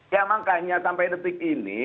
ya makanya sampai detik ini